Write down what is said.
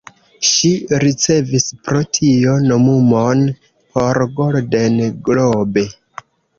Ŝi ricevis pro tio nomumon por "Golden Globe".